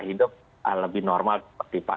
hidup lebih normal seperti